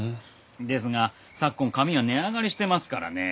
ですが昨今紙は値上がりしてますからね。